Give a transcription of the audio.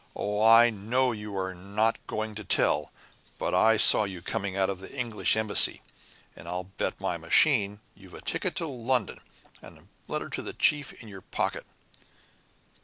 Oh, I know you are not going to tell, but I saw you coming out of the English Embassy, and I'll bet my machine you've a ticket for London, and a letter to the Chief in your pocket."